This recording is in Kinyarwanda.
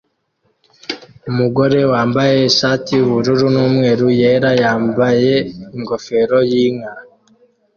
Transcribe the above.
Umugore wambaye ishati yubururu numweru yera yambaye ingofero yinka